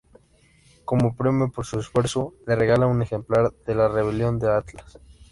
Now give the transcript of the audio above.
Como premio por su esfuerzo, le regala un ejemplar de La rebelión de Atlas.